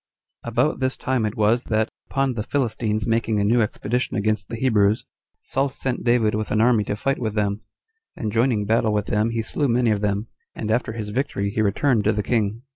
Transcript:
3. About this time it was that, upon the Philistines making a new expedition against the Hebrews, Saul sent David with an army to fight with them; and joining battle with them he slew many of them, and after his victory he returned to the king.